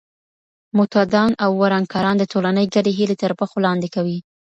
معتادان او ورانکاران د ټولنې ګډې هیلې تر پښو لاندې کوي.